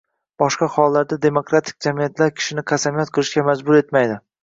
Boshqa holatlarda demokratik jamiyatlar kishini qasamyod qilishga majbur etmaydi.